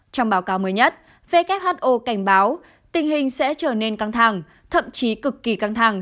trong báo cáo mới nhất who cảnh báo tình hình sẽ trở nên căng thẳng thậm chí cực kỳ căng thẳng